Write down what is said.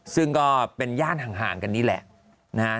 ซึ่งก็เป็นย่านห่างกันนี่แหละนะฮะ